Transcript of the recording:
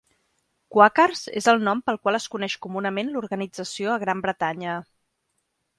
"Quakers" és el nom pel qual es coneix comunament l'organització a Gran Bretanya.